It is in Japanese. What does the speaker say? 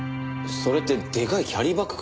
それってでかいキャリーバッグか？